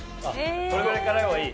これぐらい辛い方がいい？